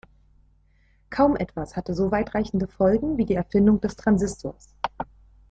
Kaum etwas hatte so weitreichende Folgen wie die Erfindung des Transistors.